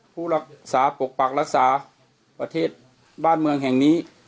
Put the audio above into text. ผู้รักษาปกปักรักษาประเทศบ้านเมืองแห่งนี้